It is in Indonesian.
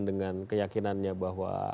dengan keyakinannya bahwa